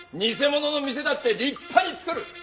偽物の店だって立派に作る。